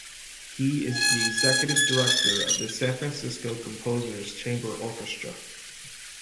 He is the Executive Director of the San Francisco Composers Chamber Orchestra.